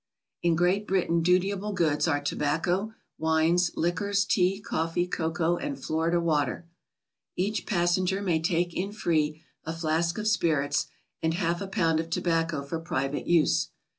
In Great Britain dutiable goods are tobacco, wines, liquors, tea, coffee, cocoa and Florida water. Each passenger may take in free a flask 'of spirits and half a pound of tobacco for private use.